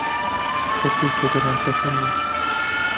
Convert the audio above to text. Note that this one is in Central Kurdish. کەسێک لە گەراجەکەمانە.